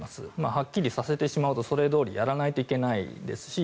はっきりさせてしまうとそれどおりやらないといけないですし